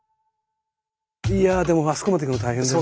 いやでもあそこまで行くの大変だよ。